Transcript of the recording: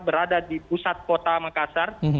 berada di pusat kota makassar